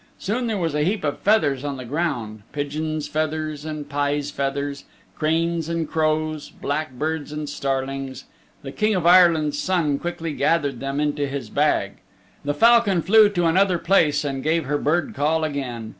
Soon there was a heap of feathers on the ground pigeons' feathers and pie's feathers, crane's and crow's, blackbird's and starling's. The King of Ireland's Son quickly gathered them into his bag. The falcon flew to another place and gave her bird call again.